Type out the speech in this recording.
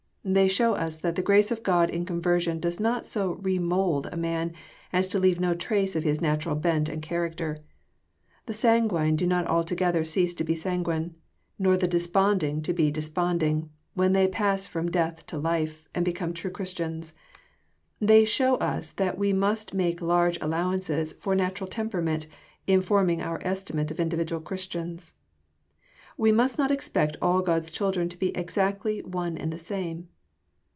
They show us that the grace of God in conversion does not so re mould a man as to leave no trace of his natural bent of character. The sanguine do not altogether cease ta be sanguine, nor the desponding to be desponding, when they pass from death to life, and become true Christians. They show us that we must make large allowances for natural temperament, in forming our estimate of individual Christians. We must not expect all God's children to be exactly one and the same.